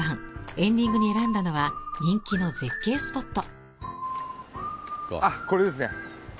エンディングに選んだのは人気の絶景スポット。